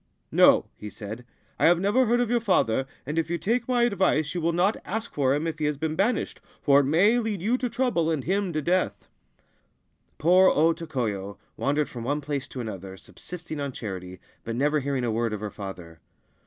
' No/ he said :' I have never heard of your father, and if you take my advice you will not ask for him if he has been banished, for it may lead you to trouble and him to death !' Poor O Tokoyo wandered from one place to another, subsisting on charity, but never hearing a word of her father.